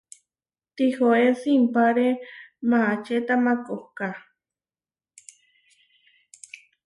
Tihoé simpáre maačeta makohká.